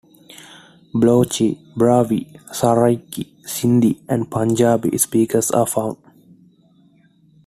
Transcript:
Balochi, Brahvi, Saraiki, Sindhi and Punjabi speakers are found.